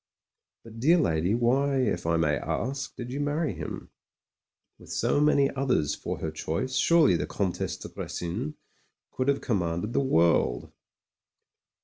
"But, dear lady, why, if I may ask, did you marry him ? With so many others for her choice, surely the Comtesse de Grecin could have commanded the world?"